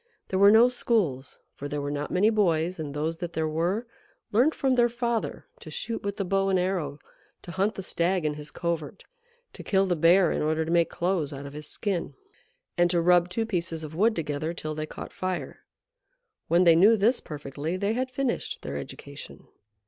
There were no schools, for there were not many boys, and those that there were learnt from their father to shoot with the bow and arrow, to hunt the stag in his covert, to kill the bear in order to make clothes out of his skin, and to rub two pieces of wood together till they caught fire. When they knew this perfectly, they had finished their education.